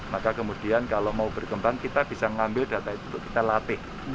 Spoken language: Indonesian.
maka kemudian kalau mau berkembang kita bisa mengambil data itu kita latih